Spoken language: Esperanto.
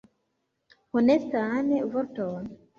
Honestan vorton.